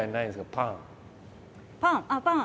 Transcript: パン！